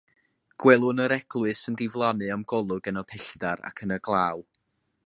Gwelwn yr eglwys yn diflannu o'm golwg yn y pellter ac yn y glaw.